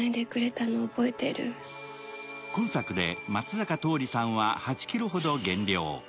今作で松坂桃李さんは８ｋｇほど減量。